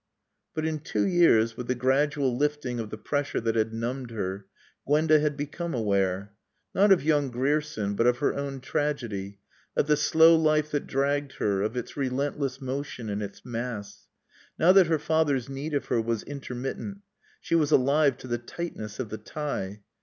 But in two years, with the gradual lifting of the pressure that had numbed her, Gwenda had become aware. Not of young Grierson, but of her own tragedy, of the slow life that dragged her, of its relentless motion and its mass. Now that her father's need of her was intermittent she was alive to the tightness of the tie.